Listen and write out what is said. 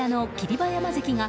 馬山関が